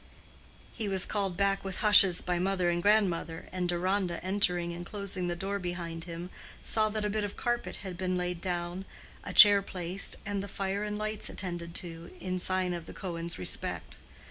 He was called back with hushes by mother and grandmother, and Deronda, entering and closing the door behind him, saw that a bit of carpet had been laid down, a chair placed, and the fire and lights attended to, in sign of the Cohens' respect.